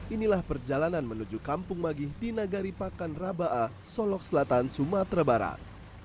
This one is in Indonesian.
inilah perjalanan menuju kampung magih di nagari pakan rabaah ⁇ solok selatan sumatera barat